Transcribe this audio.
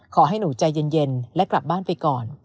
ขอให้หนูใจเย็นและกลับบ้านไปก่อน